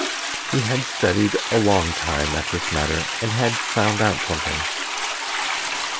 He had studied a long time at this matter, and had found out something.